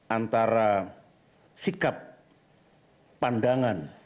antara sikap pandangan